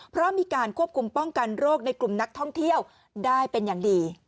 เพราะมีการควบคุมป้องกันโรคในกลุ่มนักท่องเที่ยวได้เป็นอย่างดี